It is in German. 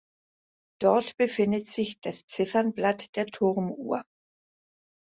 Dort befindet sich das Ziffernblatt der Turmuhr.